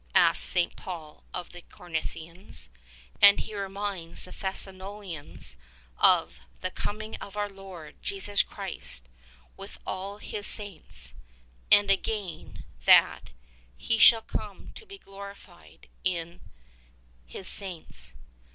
asks St. Paul of the Corinthians ; and he reminds the Thessalon 149 ians of "the coming of our Lord Jesus Christ with all His saints/' and again, that "He shall come to be glorified in His saints."